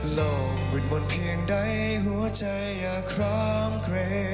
โลกมืดมนต์เพียงใดหัวใจอย่าครามเคร